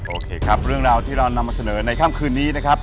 โอเคครับเรื่องราวที่เรานำมาเสนอในค่ำคืนนี้นะครับ